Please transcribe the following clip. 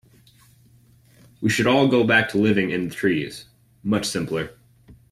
We should all go back to living in the trees, much simpler.